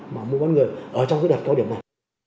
mà mua bán người ở trong cái đợt cao điểm này